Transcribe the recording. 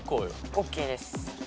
ＯＫです。